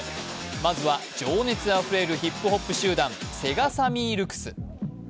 まずは情熱あふれるヒップホップ集団、セガサミー・ルクス。